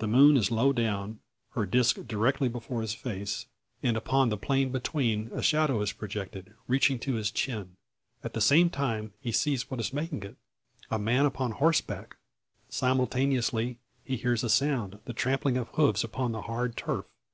The moon is low down, her disc directly before his face, and upon the plain between a shadow is projected, reaching to his chin. At the same time, he sees what is making it a man upon horseback! Simultaneously, he hears a sound the trampling of hoofs upon the hard turf.